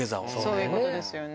そういうことですよね。